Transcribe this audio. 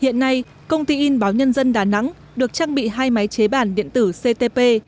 hiện nay công ty in báo nhân dân đà nẵng được trang bị hai máy chế bản điện tử ctp